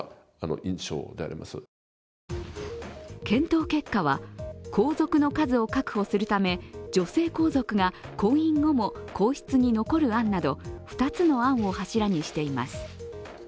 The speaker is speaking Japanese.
検討結果は、皇族の数を確保するため女性皇族が婚姻後も皇室に残る案など２つの案を柱にしています。